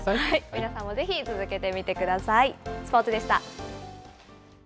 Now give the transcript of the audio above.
皆さんもぜひ続けてみてください。